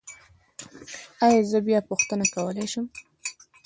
ایا زه بیا پوښتنه کولی شم؟